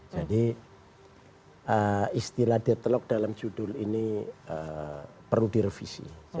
jadi istilah detlog dalam judul ini perlu direvisi